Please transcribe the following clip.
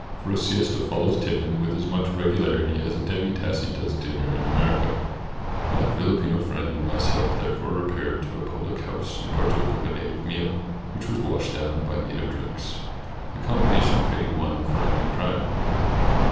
For a siesta follows tiffin with as much regularity as a demi tasse does dinner in America. My Fihpino friend and myself therefore 537 ISLANDS OF THE PACIFIC repaired to a public house and partook of a native meal, which was washed down by native drinks — the combi nation fitting one for any crime.